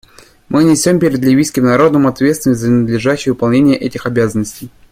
Мы несем перед ливийским народом ответственность за надлежащее выполнение этих обязанностей.